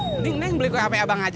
mending neng beli gue abek abang aja